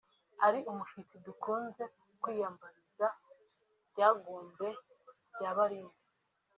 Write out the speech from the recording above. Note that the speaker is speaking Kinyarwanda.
ari umushitsi dukunze kwiyambariza Ryangombe rya Babinga